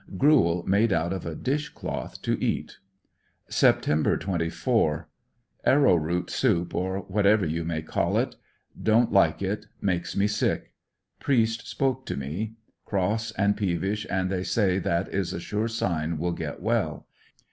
Gruel made out of a dish cloth to eat. Sept 24— Arrow root soup or whatever you may call it; don't like it; makes me sick. Priest spoke to me. Cross and peevish and they say that is a sure sign will get well.